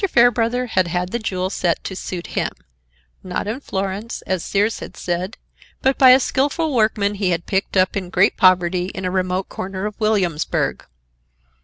Fairbrother had had the jewel set to suit him, not in Florence, as Sears had said, but by a skilful workman he had picked up in great poverty in a remote corner of Williamsburg.